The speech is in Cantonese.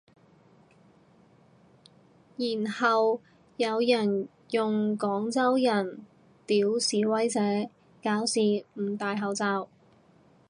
然後有人用廣州人屌示威者搞事唔戴口罩